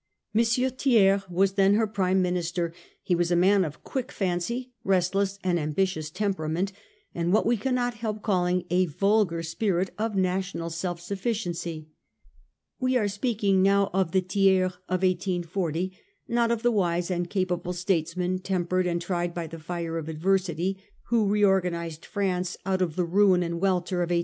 M. Thiers was then her Prime Minister: he was a man of quick fancy, restless and ambitious tempera ment, and what we cannot help calling a vulgar spirit of national self sufficiency — we are speaking now of the Thiers of 1840, not of the wise and capable statesman, tempered and tried by the fire of adversity, who reorganised France out of the ruin and welter of 1870.